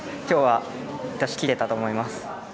今日は出し切れたと思います。